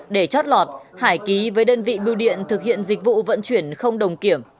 để chót lọt hải ký với đơn vị bưu điện thực hiện dịch vụ vận chuyển không đồng kiểm